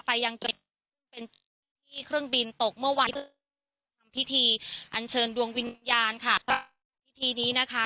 ยังเก็บเป็นจุดที่เครื่องบินตกเมื่อวันทำพิธีอันเชิญดวงวิญญาณค่ะพิธีนี้นะคะ